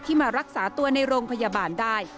มารักษาตัวในโรงพยาบาลได้